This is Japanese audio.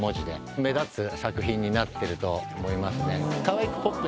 目立つ作品になってると思いますね。